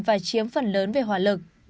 và chiếm phần lớn về hỏa lực